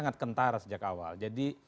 sangat kentara sejak awal jadi